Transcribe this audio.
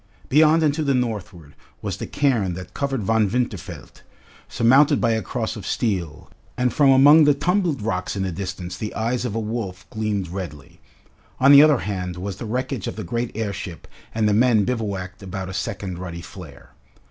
Beyond and to the northward was the cairn that covered Von Winterfeld, surmounted by a cross of steel, and from among the tumbled rocks in the distance the eyes of a wolf gleamed redly. On the other hand was the wreckage of the great airship and the men bivouacked about a second ruddy flare.